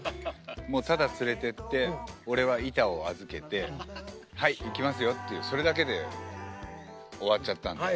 ただ連れてって俺は板を預けてはいいきますよっていうそれだけで終わっちゃったんで。